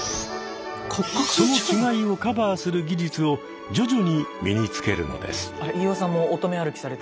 その違いをカバーする技術を徐々に身につけるのです。